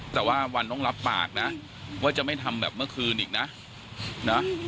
แต่ว่าวันต้องรับปากนะว่าจะไม่ทำแบบเมื่อคืนอีกนะนะ